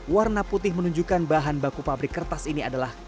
warna putih menunjukkan bahan baku pabrik kertas ini adalah